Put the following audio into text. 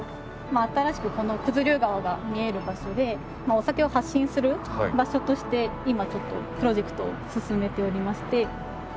新しくこの九頭竜川が見える場所でお酒を発信する場所として今ちょっとプロジェクトを進めておりまして。